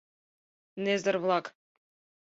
Незер-влак!